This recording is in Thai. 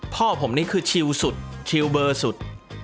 พ่อผมนี่คือชิลสุดชิลเบอร์สุด